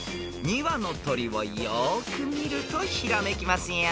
［２羽の鳥をよく見るとひらめきますよ］